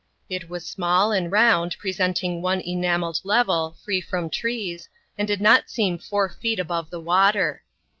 It was small and round, presenting one enamelled level, free from trees, and did not seem four feet above the water.